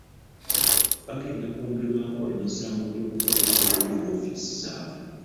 Bagenda kwongerwako emisango gy'okukozesa obubi woofiisi zaabwe.